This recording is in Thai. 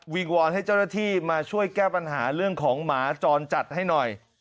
วอนให้เจ้าหน้าที่มาช่วยแก้ปัญหาเรื่องของหมาจรจัดให้หน่อย